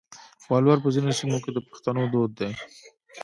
ولور په ځینو سیمو کې د پښتنو دود دی.